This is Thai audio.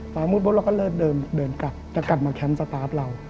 ฟ้ามืดพบเราก็เลิกเดินกลับแล้วกลับมาแคมป์สตาร์ฟเรา